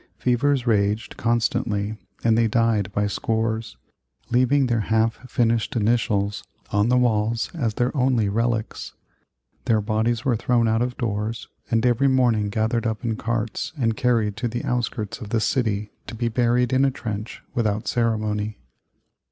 Fevers raged constantly and they died by scores, leaving their half finished initials on the walls as their only relics. Their bodies were thrown out of doors, and every morning gathered up in carts and carried to the outskirts of the city to be buried in a trench without ceremony.